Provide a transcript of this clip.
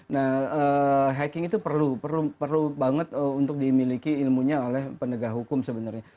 nah hacking itu perlu banget untuk dimiliki ilmunya oleh penegak hukum sebenarnya